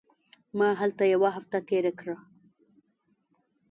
ما هلته یوه هفته تېره کړه.